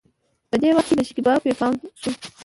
په دې وخت کې د شکيبا پې پام شو.